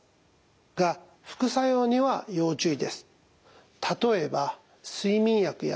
が副作用には要注意です。